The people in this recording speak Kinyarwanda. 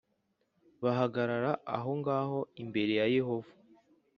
bahagarara aho ngaho imbere ya Yehova